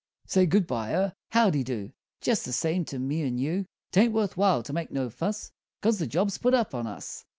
Say good bye er howdy do Jest the same to me and you; 'Taint worth while to make no fuss, 'Cause the job's put up on us!